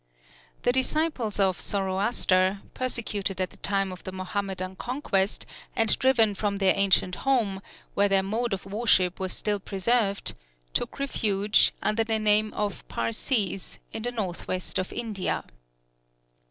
The disciples of Zoroaster, persecuted at the time of the Mohammedan conquest, and driven from their ancient home, where their mode of worship was still preserved, took refuge, under the name of Parsees, in the north west of India.